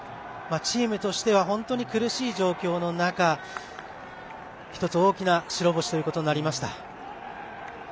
チームとしては本当に苦しい状況の中１つ大きな白星となりました。